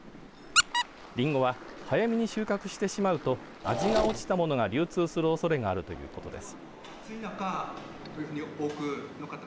リンゴは早めに収穫してしまうと味が落ちたものが流通するおそれがあるということです。